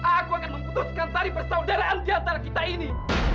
aku akan memutuskan tari persaudaraan di antara kita ini